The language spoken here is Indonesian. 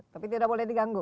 tapi tidak boleh diganggu